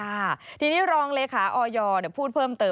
ยอมรับว่าการตรวจสอบเพียงเลขอยไม่สามารถทราบได้ว่าเป็นผลิตภัณฑ์ปลอม